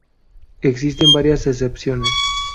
Existen varias excepciones.